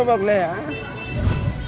em nghĩ là chị cho thêm đi